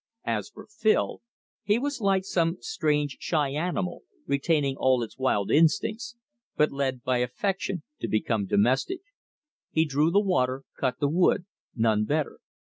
As for Phil, he was like some strange, shy animal, retaining all its wild instincts, but led by affection to become domestic. He drew the water, cut the wood, none better.